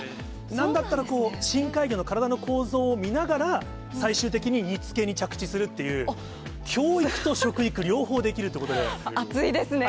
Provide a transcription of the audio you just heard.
なんだったら、深海魚の体の構造を見ながら、最終的に煮つけに着地するっていう、教育と食育、両方できるって熱いですね。